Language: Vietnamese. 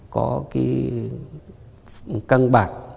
có cái căng bạc